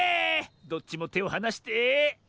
どっちもてをはなして。